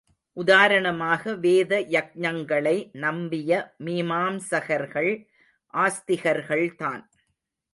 உதாரணமாக வேத யக்ஞங்களை நம்பிய மீமாம்சகர்கள் ஆஸ்திகர்கள்தான்.